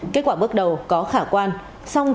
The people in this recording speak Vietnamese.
kết quả bước đầu có khả quan